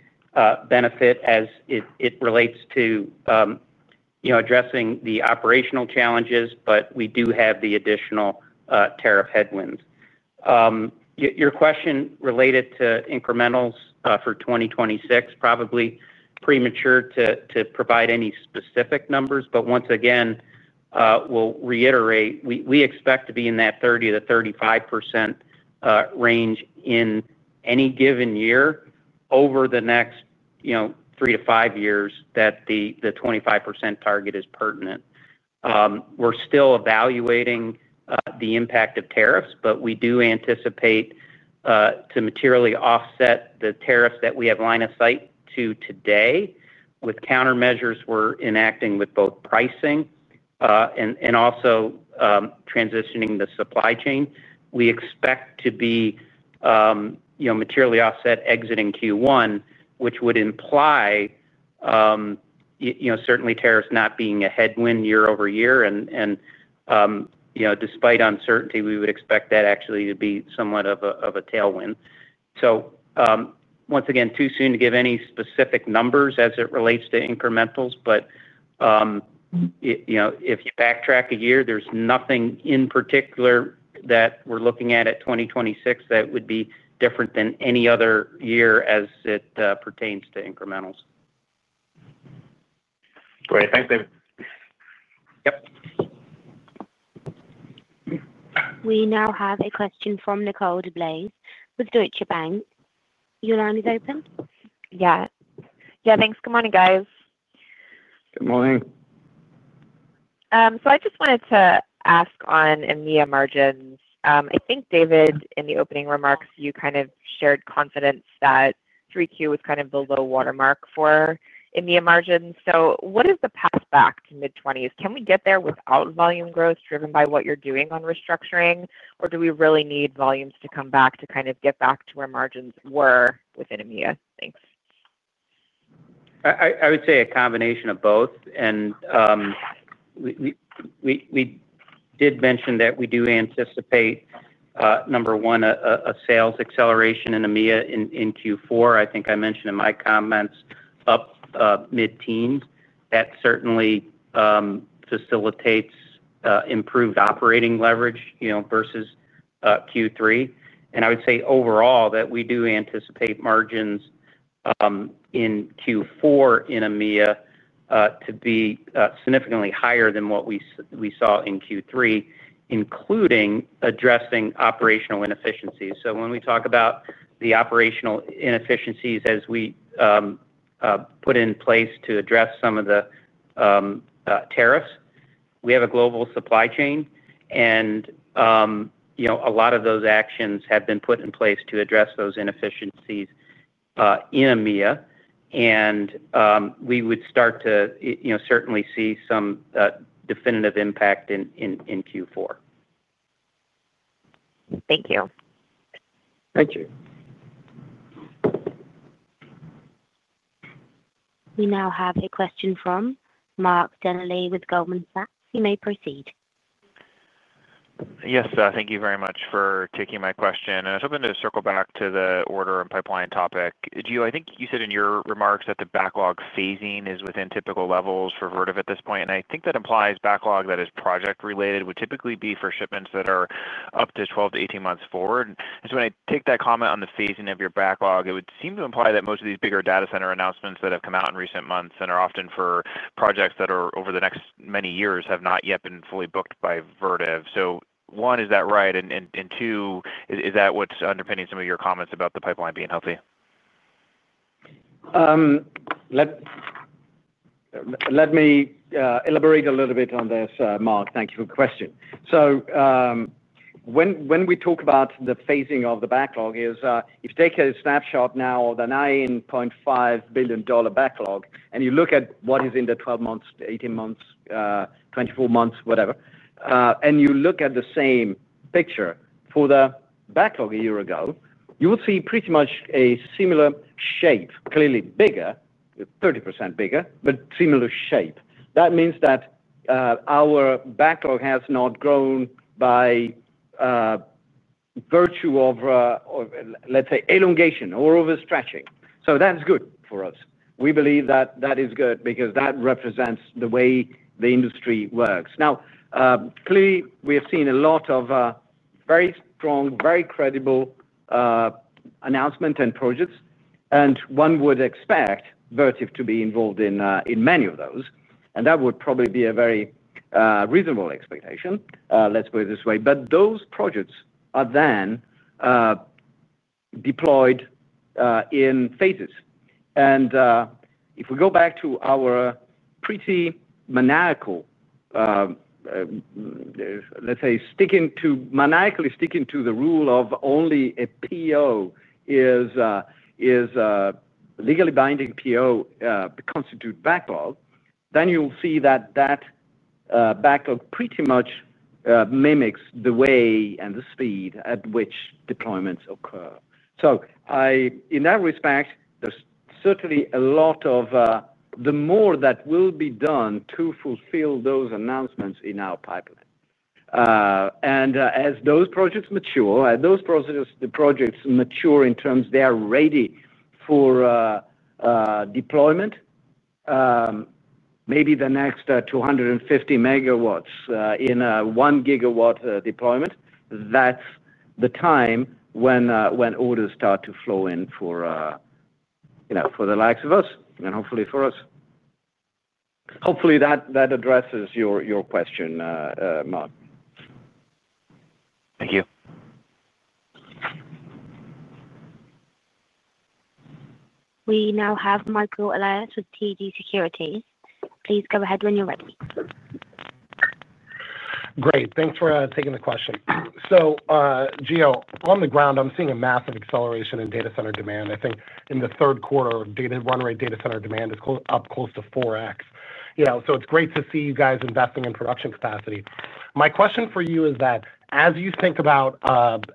benefit as it relates to addressing the operational challenges, but we do have the additional tariff headwinds. Your question related to incrementals for 2026, probably premature to provide any specific numbers. Once again, we'll reiterate, we expect to be in that 30%-35% range in any given year over the next, you know, three to five years that the 25% target is pertinent. We're still evaluating the impact of tariffs, but we do anticipate to materially offset the tariffs that we have line of sight to today with countermeasures we're enacting with both pricing and also transitioning the supply chain. We expect to be, you know, materially offset exiting Q1, which would imply, you know, certainly tariffs not being a headwind year-over-year. Despite uncertainty, we would expect that actually to be somewhat of a tailwind. Once again, too soon to give any specific numbers as it relates to incrementals. If you backtrack a year, there's nothing in particular that we're looking at at 2026 that would be different than any other year as it pertains to incrementals. Great. Thanks, David. Yep. We now have a question from Nicole DeBlase with Deutsche Bank. Your line is open. Yeah, thanks. Good morning, guys. Good morning. I just wanted to ask on EMEA margins. I think, David, in the opening remarks, you kind of shared confidence that 3Q was kind of the low watermark for EMEA margins. What is the path back to mid-20s? Can we get there without volume growth driven by what you're doing on restructuring, or do we really need volumes to come back to kind of get back to where margins were within EMEA? Thanks. I would say a combination of both. We did mention that we do anticipate, number one, a sales acceleration in EMEA in Q4. I think I mentioned in my comments up mid-teens. That certainly facilitates improved operating leverage versus Q3. I would say overall that we do anticipate margins in Q4 in EMEA to be significantly higher than what we saw in Q3, including addressing operational inefficiencies. When we talk about the operational inefficiencies as we put in place to address some of the tariffs, we have a global supply chain. A lot of those actions have been put in place to address those inefficiencies in EMEA. We would start to certainly see some definitive impact in Q4. Thank you. Thank you. We now have a question from Mark Delaney with Goldman Sachs. You may proceed. Yes, thank you very much for taking my question. I was hoping to circle back to the order and pipeline topic. Gio, I think you said in your remarks that the backlog phasing is within typical levels for Vertiv at this point. I think that implies backlog that is project-related would typically be for shipments that are up to 12-18 months forward. When I take that comment on the phasing of your backlog, it would seem to imply that most of these bigger data center announcements that have come out in recent months and are often for projects that are over the next many years have not yet been fully booked by Vertiv. One, is that right? Two, is that what's underpinning some of your comments about the pipeline being healthy? Let me elaborate a little bit on this, Mark. Thank you for the question. When we talk about the phasing of the backlog, if you take a snapshot now of the $9.5 billion backlog and you look at what is in the 12 months, 18 months, 24 months, whatever, and you look at the same picture for the backlog a year ago, you will see pretty much a similar shape, clearly bigger, 30% bigger, but similar shape. That means that our backlog has not grown by virtue of, let's say, elongation or overstretching. That is good for us. We believe that that is good because that represents the way the industry works. Now, we have seen a lot of very strong, very credible announcements and projects. One would expect Vertiv to be involved in many of those. That would probably be a very reasonable expectation. Let's put it this way. Those projects are then deployed in phases. If we go back to our pretty maniacal, let's say, sticking to maniacally sticking to the rule of only a PO is legally binding PO constitutes backlog, then you'll see that that backlog pretty much mimics the way and the speed at which deployments occur. In that respect, there's certainly a lot of the more that will be done to fulfill those announcements in our pipeline. As those projects mature, as those projects mature in terms they are ready for deployment, maybe the next 250 MW in a 1 GW deployment, that's the time when orders start to flow in for the likes of us and hopefully for us. Hopefully, that addresses your question, Mark. Thank you. We now have Michael Elias with TD Securities. Please go ahead when you're ready. Great. Thanks for taking the question. Gio, on the ground, I'm seeing a massive acceleration in data center demand. I think in the third quarter, data run rate data center demand is up close to 4x. It's great to see you guys investing in production capacity. My question for you is that as you think about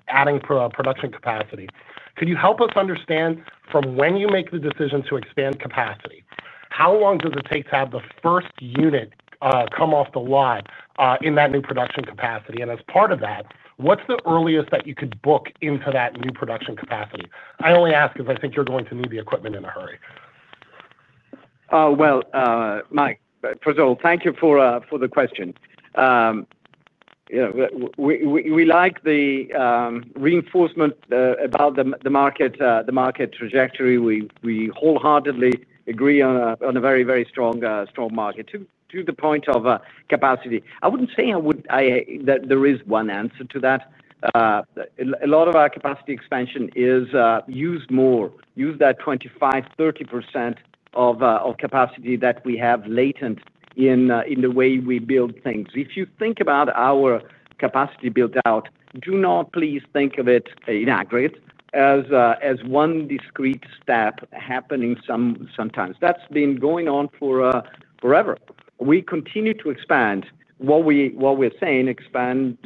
adding production capacity, could you help us understand from when you make the decision to expand capacity, how long does it take to have the first unit come off the lot in that new production capacity? As part of that, what's the earliest that you could book into that new production capacity? I only ask because I think you're going to need the equipment in a hurry. Mike, first of all, thank you for the question. We like the reinforcement about the market trajectory. We wholeheartedly agree on a very, very strong market to the point of capacity. I wouldn't say that there is one answer to that. A lot of our capacity expansion is used more, use that 25%, 30% of capacity that we have latent in the way we build things. If you think about our capacity build-out, do not please think of it in aggregate as one discrete step happening sometimes. That's been going on forever. We continue to expand. What we're saying, expansion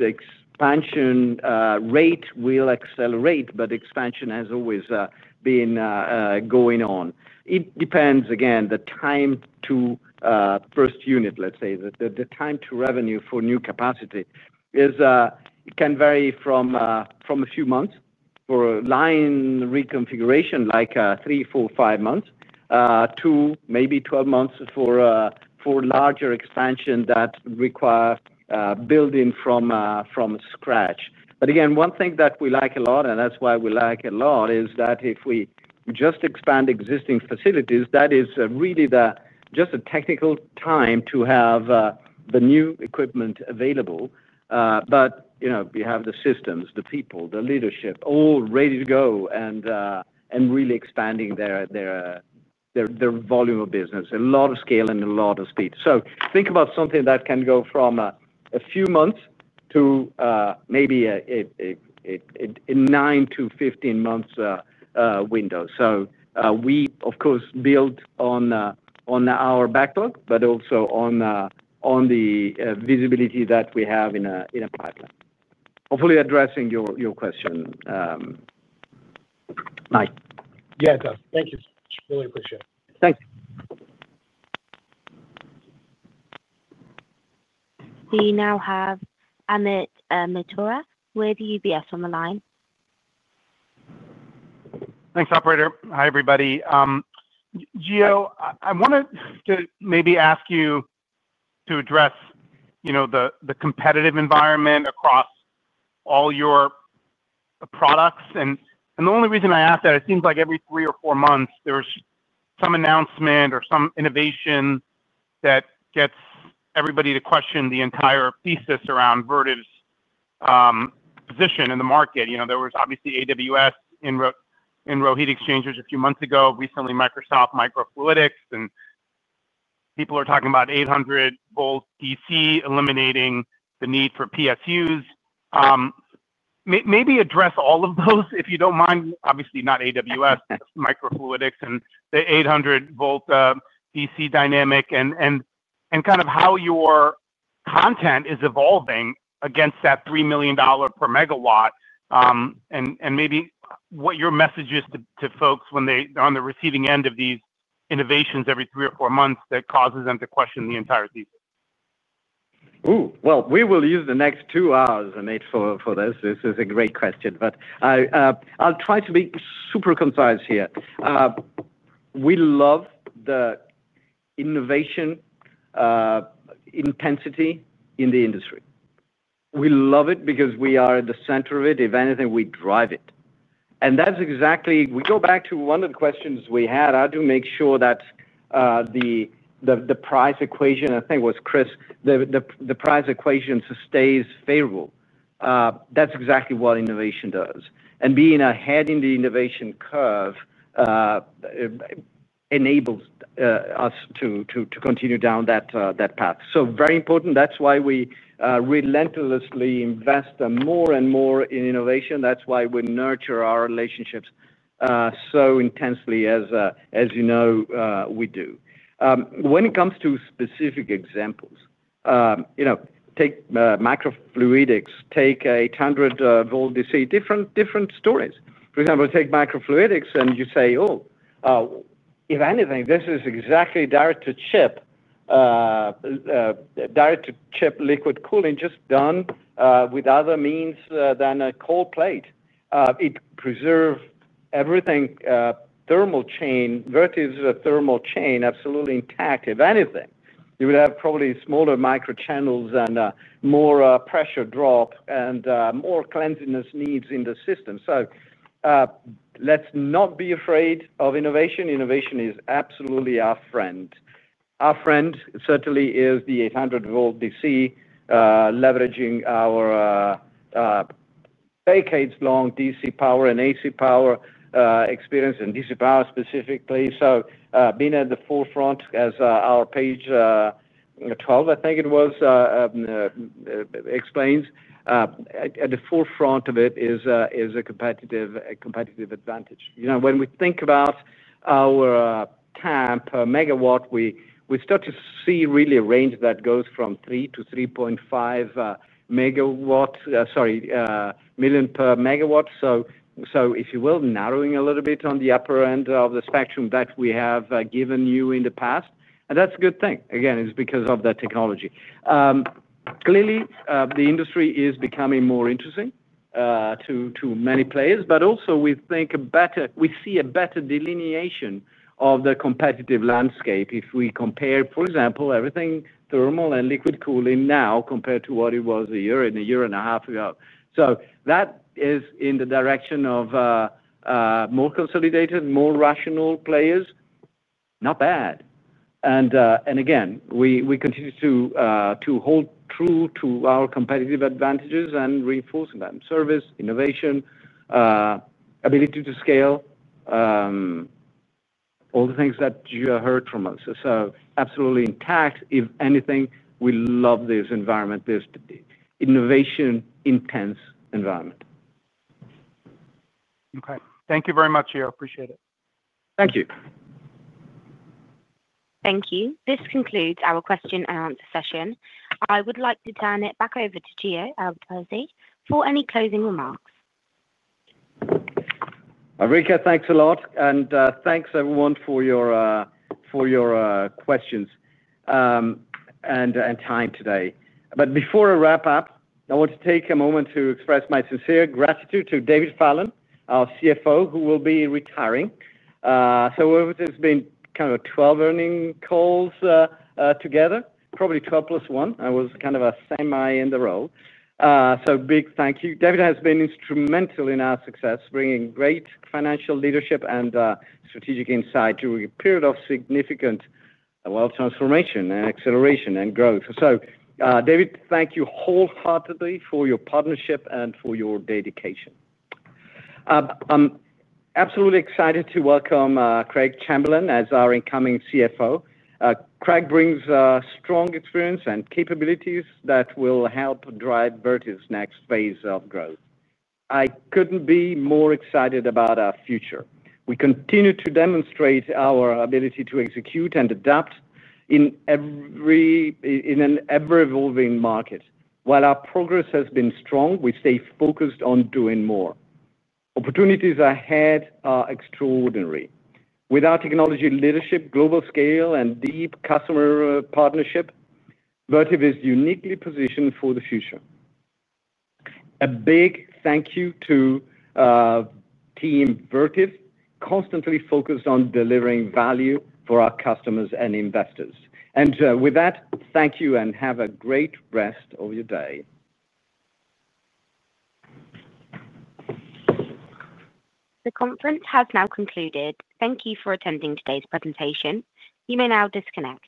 rate will accelerate, but expansion has always been going on. It depends, again, the time to first unit, let's say, the time to revenue for new capacity can vary from a few months for line reconfiguration, like three, four, five months, to maybe 12 months for larger expansion that requires building from scratch. One thing that we like a lot, and that's why we like a lot, is that if we just expand existing facilities, that is really just a technical time to have the new equipment available. You know we have the systems, the people, the leadership, all ready to go and really expanding their volume of business, a lot of scale, and a lot of speed. Think about something that can go from a few months to maybe a 9-15 months window. We, of course, build on our backlog, but also on the visibility that we have in a pipeline. Hopefully, addressing your question. Yeah, it does. Thank you. Really appreciate it. Thanks. We now have Amit Mittal with UBS on the line. Thanks, operator. Hi, everybody. Gio, I wanted to maybe ask you to address, you know, the competitive environment across all your products. The only reason I ask that, it seems like every three or four months, there's some announcement or some innovation that gets everybody to question the entire thesis around Vertiv's position in the market. There was obviously AWS in row heat exchangers a few months ago, recently Microsoft microfluidics, and people are talking about 800 V DC eliminating the need for PSUs. Maybe address all of those, if you don't mind. Obviously, not AWS, just Microfluidics and the 800 V DC dynamic and kind of how your content is evolving against that $3 million per megawatt and maybe what your message is to folks when they're on the receiving end of these innovations every three or four months that causes them to question the entire thesis. We will use the next two hours, Amit, for this. This is a great question, but I'll try to be super concise here. We love the innovation intensity in the industry. We love it because we are at the center of it. If anything, we drive it. That's exactly. We go back to one of the questions we had, how to make sure that the price equation, I think it was Chris, the price equation stays favorable. That's exactly what innovation does. Being ahead in the innovation curve enables us to continue down that path. Very important. That's why we relentlessly invest more and more in innovation. That's why we nurture our relationships so intensely, as you know, we do. When it comes to specific examples, take microfluidics, take 800 V DC, different stories. For example, take microfluidics and you say, "Oh, if anything, this is exactly direct-to-chip liquid cooling just done with other means than a cold plate. It preserves everything, thermal chain. Vertiv's thermal chain absolutely intact. If anything, you would have probably smaller microchannels and more pressure drop and more cleanliness needs in the system. Let's not be afraid of innovation. Innovation is absolutely our friend. Our friend certainly is the 800 V DC leveraging our decades-long DC power and AC power experience and DC power specifically. Being at the forefront, as our page 12, I think it was, explains, at the forefront of it is a competitive advantage. When we think about our TAM per megawatt, we start to see really a range that goes from $3 million-$3.5 million per megawatt. If you will, narrowing a little bit on the upper end of the spectrum that we have given you in the past. That's a good thing. Again, it's because of that technology. Clearly, the industry is becoming more interesting to many players, but also we think we see a better delineation of the competitive landscape if we compare, for example, everything thermal and liquid cooling now compared to what it was a year and a year and a half ago. That is in the direction of more consolidated, more rational players. Not bad. Again, we continue to hold true to our competitive advantages and reinforce them, service, innovation, ability to scale, all the things that you heard from us. Absolutely intact. If anything, we love this environment, this innovation-intense environment. Okay, thank you very much, Gio. Appreciate it. Thank you. Thank you. This concludes our question and answer session. I would like to turn it back over to Giordano Albertazzi for any closing remarks. Rika, thanks a lot. Thanks, everyone, for your questions and time today. Before I wrap up, I want to take a moment to express my sincere gratitude to David Fallon, our CFO, who will be retiring. It's been kind of 12 earnings calls together, probably 12 plus 1. I was kind of a semi in the role. Big thank you. David has been instrumental in our success, bringing great financial leadership and strategic insight during a period of significant transformation and acceleration and growth. David, thank you wholeheartedly for your partnership and for your dedication. I'm absolutely excited to welcome Craig Chamberlain as our incoming CFO. Craig brings a strong experience and capabilities that will help drive Vertiv's next phase of growth. I couldn't be more excited about our future. We continue to demonstrate our ability to execute and adapt in an ever-evolving market. While our progress has been strong, we stay focused on doing more. Opportunities ahead are extraordinary. With our technology leadership, global scale, and deep customer partnership, Vertiv is uniquely positioned for the future. A big thank you to Team Vertiv, constantly focused on delivering value for our customers and investors. With that, thank you and have a great rest of your day. conference has now concluded. Thank you for attending today's presentation. You may now disconnect.